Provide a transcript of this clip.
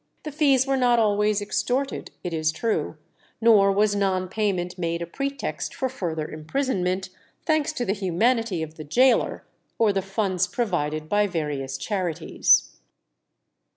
The fees were not always extorted, it is true; nor was non payment made a pretext for further imprisonment, thanks to the humanity of the gaoler, or the funds provided by various charities.